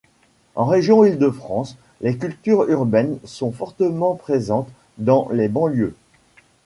En région Île-de-France, les cultures urbaines sont fortement présentes dans les banlieues.